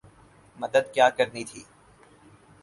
مدد کیا کرنی تھی۔